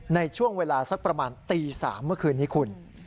ในช่วงเวลาสักประมาณตี๓เมื่อคืนนี้คุณ